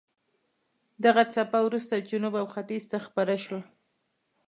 دغه څپه وروسته جنوب او ختیځ ته خپره شوه.